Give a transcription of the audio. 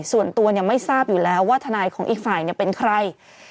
ส่วนตัวไม่ทราบอยู่แล้วว่าทนายของอีกฝ่ายเป็นใคร